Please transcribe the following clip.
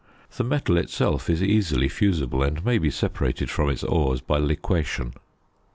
The metal itself is easily fusible, and may be separated from its ores by liquation.